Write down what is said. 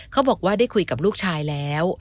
เขาบอกว่าได้คุยกับลูกชายแล้ว